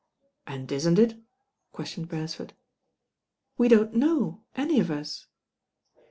"And isn't it?" questioned Beresford. "We don't know, any of us."